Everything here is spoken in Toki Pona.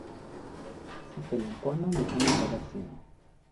sitelen pona li kama tawa sina.